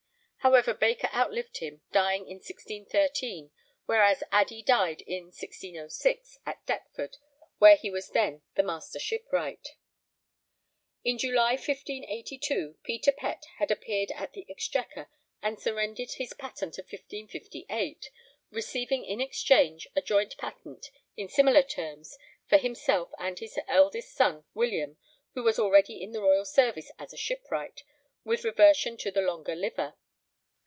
However, Baker outlived him, dying in 1613, whereas Addey died in 1606 at Deptford, where he was then the Master Shipwright. In July 1582 Peter Pett had appeared at the Exchequer and surrendered his patent of 1558, receiving in exchange a joint patent, in similar terms, for himself and his eldest son, William, who was already in the royal service as a shipwright, with reversion to the longer liver.